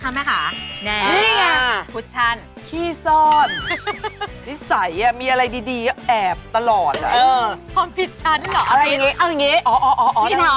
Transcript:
ป้าพิมฮ์ต้องแกกกว่ามา่แน่เลย